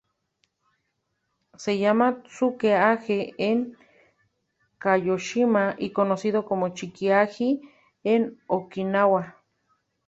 Se llama "tsuke-age" en Kagoshima y conocido como "chiki-agi" en Okinawa.